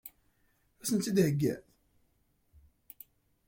Ad sent-tt-id-theggiḍ?